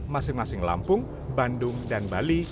masing masing lampung bandung dan bali